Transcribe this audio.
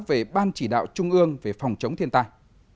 về ban chỉ đạo trung ương về phòng chống thiên tai